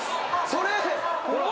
それ！